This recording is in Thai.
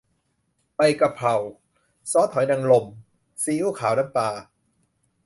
ใบกะเพรา ซอสหอยนางรม ซีอิ๊วขาว น้ำปลา